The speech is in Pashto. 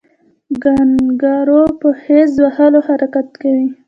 کانګارو په خیز وهلو حرکت کوي